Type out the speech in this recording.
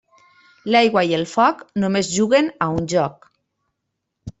L'aigua i el foc només juguen a un joc.